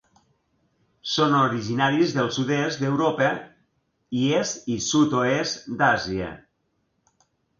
Són originaris del sud-est d'Europa i est i sud-oest d'Àsia.